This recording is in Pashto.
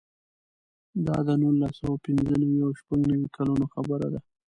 دا د نولس سوه پنځه نوې او شپږ نوې کلونو خبره ده.